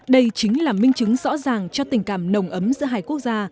đây chính là minh chứng rõ ràng cho tình cảm nồng ấm giữa hai quốc gia